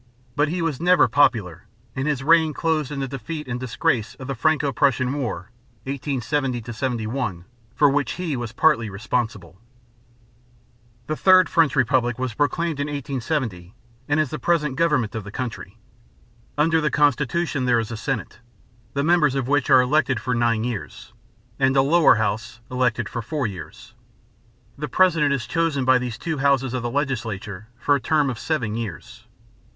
But he was never popular, and his reign closed in the defeat and disgrace of the Franco Prussian War (1870 71), for which he was partly responsible. The third French republic was proclaimed in 1870 and is the present government of the country. Under the constitution there is a senate, the members of which are elected for nine years, and a lower house, elected for four years. The president is chosen by these two houses of the legislature for a term of seven years.